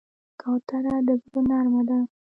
کوتره د زړه نرمه ده.